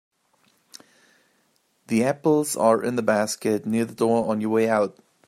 The apples are in the basket near the door on your way out.